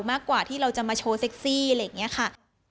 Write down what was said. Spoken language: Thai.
มากกว่าที่เราจะมาโชว์เซ็กซี่อะไรอย่างนี้ค่ะ